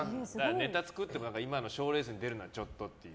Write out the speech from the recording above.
ネタ作って今の賞レースに出るのはちょっとっていう？